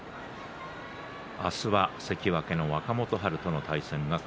明日は関脇若元春との対戦です。